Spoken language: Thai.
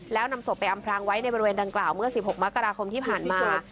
แล้วนำศพไปอำพลางไว้ในบริเวณดังกล่าวเมื่อ๑๖มกราคมที่ผ่านมา